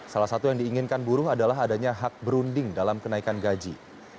salah satu yang diinginkan buruh adalah adanya hak berunding dalam kenaikan gaji